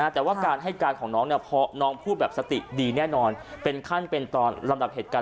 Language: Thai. แต่ว่าการให้การของน้องน้องพูดแบบสติดีแน่นอนเป็นขั้นเป็นตอนลำดับเหตุการณ์